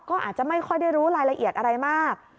ก็อาจจะไม่ค่อยได้รู้รายละเอียดอะไรมาก